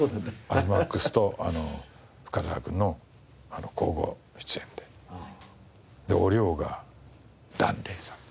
東ＭＡＸと深沢君の交互出演でお龍が檀れいさん。